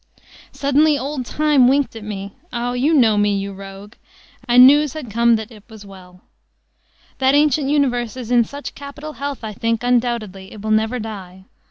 "Suddenly old Time winked at me ah, you know me, you rogue and news had come that IT was well. That ancient universe is in such capital health, I think, undoubtedly, it will never die. ...